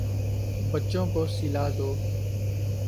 بچوں کو سلا دو